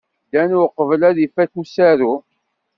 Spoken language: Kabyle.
Ddan uqbel ad ifak usaru.